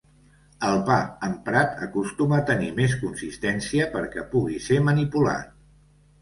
El pa emprat acostuma a tenir més consistència perquè pugui ser manipulat.